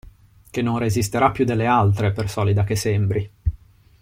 Che non resisterà più delle altre, per solida che sembri.